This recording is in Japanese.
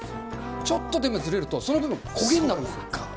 ちょっとでもずれると、その部分、焦げになるんですよ。